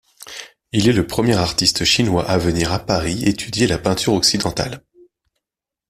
Il est le premier artiste chinois à venir à Paris étudier la peinture occidentale.